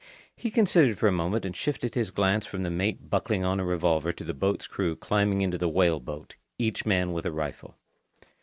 He considered for a moment and shifted his glance from the mate buckling on a revolver to the boat's crew climbing into the whale boat each man with a rifle.